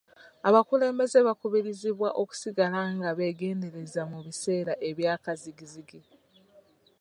Abakulembeze bakubirizibwa okusigala nga beegendereza mu biseera ebyakazzigizzigi.